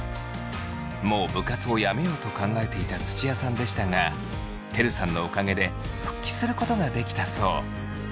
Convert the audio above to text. もう部活をやめようと考えていた土屋さんでしたがてるさんのおかげで復帰することができたそう。